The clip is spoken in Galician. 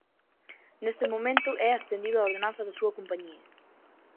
Nese momento é ascendido a ordenanza da súa compañía.